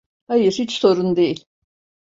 Hayır, hiç sorun değil.